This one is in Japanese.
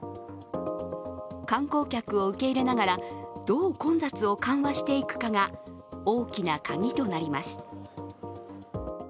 観光客を受け入れながら、どう混雑を緩和していくかが大きなカギとなります。